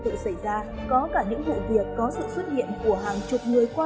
vụ việc có sự xuất hiện của hàng chục người qua đường xe đầu kéo và xe đầu kéo tự nhiên bị nạn và